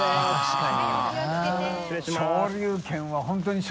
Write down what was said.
確かに。